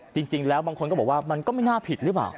จริงแล้วบางคนก็บอกว่ามันก็ไม่น่าผิดหรือเปล่า